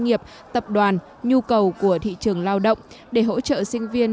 nghiệp tập đoàn nhu cầu của thị trường lao động để hỗ trợ sinh viên